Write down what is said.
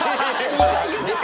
２回言った。